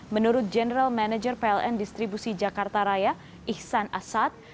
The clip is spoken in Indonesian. menurut general manager pln distribusi jakarta raya ihsan asad